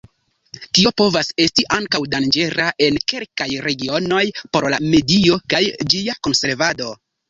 Tio povas esti ankaŭ danĝera en kelkaj regionoj por la medio kaj ĝia konservado.